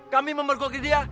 kami memperkuat dia